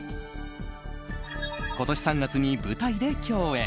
今年３月に舞台で共演。